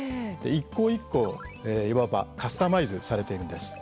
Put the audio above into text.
一校一校、いわばカスタマイズされているんです。